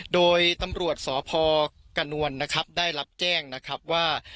โดยตำรวจสพกระนวลนะครับได้รับแจ้งนะครับว่า